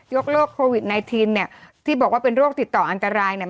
โรคโควิด๑๙เนี่ยที่บอกว่าเป็นโรคติดต่ออันตรายเนี่ย